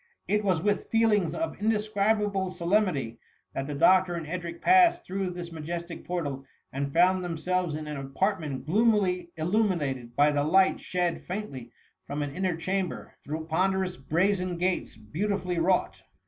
It was with feelings of indescribable solem nity, that the doctor and Edric passed through this majestic portal, and found themselves in an apartment gloomily illumined by the light shed faintly from an inner chamber, through pcm* derous brazen gates beautifully wrought.